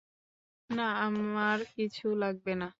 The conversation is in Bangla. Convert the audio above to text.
না, আমার কিছু লাগবে না।